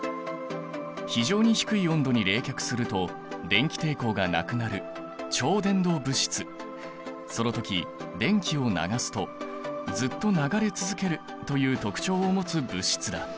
非常に低い温度に冷却すると電気抵抗がなくなるその時電気を流すとずっと流れ続けるという特徴を持つ物質だ。